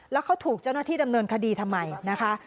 แล้วเขาถูกเจ้าหน้าที่ดำเนินคดีทำไมนะคะ